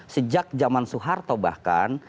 sejak zaman soeharto bahkan